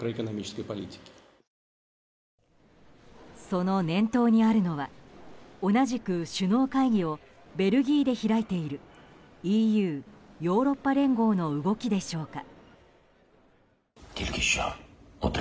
その念頭にあるのは同じく首脳会議をベルギーで開いているＥＵ・ヨーロッパ連合の動きでしょうか。